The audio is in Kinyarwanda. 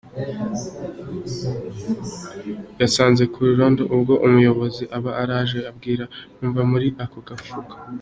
Ati "Yasanze ku irondo ubwo umuyobozi aba araje ambwira ko mva muri ako gafuka.